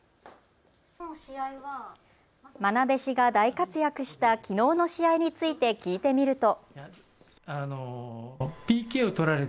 まな弟子が大活躍したきのうの試合について聞いてみると。